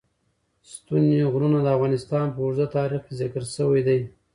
ستوني غرونه د افغانستان په اوږده تاریخ کې ذکر شوی دی.